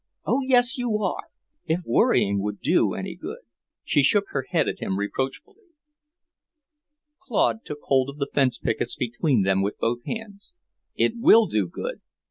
"Oh, yes, you are! If worrying would do any good " she shook her head at him reproachfully. Claude took hold of the fence pickets between them with both hands. "It will do good!